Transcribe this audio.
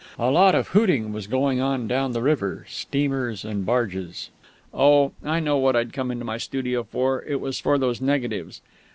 A lot of hooting was going on down the river, steamers and barges.... Oh, I know what I'd come into my studio for! It was for those negatives.